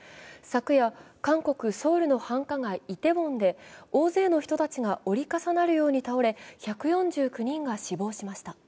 昨夜、韓国ソウルの繁華街・イテウォンで大勢の人たちが折り重なるように倒れ、１４９人が死亡しました。